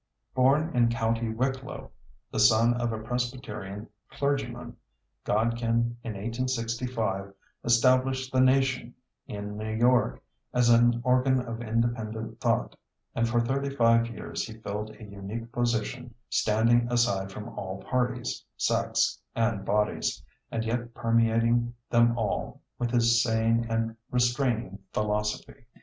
Born in County Wicklow, the son of a Presbyterian clergyman, Godkin in 1865 established the Nation in New York as an organ of independent thought; and for thirty five years he filled a unique position, standing aside from all parties, sects, and bodies, and yet permeating them all with his sane and restraining philosophy.